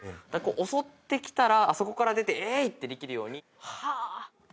襲ってきたらあそこから出てえいっ！ってできるように。